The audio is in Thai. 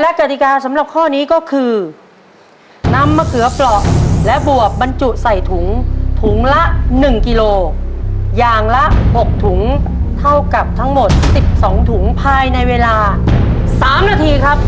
และกติกาสำหรับข้อนี้ก็คือนำมะเขือเปราะและบวบบรรจุใส่ถุงถุงละ๑กิโลอย่างละ๖ถุงเท่ากับทั้งหมด๑๒ถุงภายในเวลา๓นาทีครับ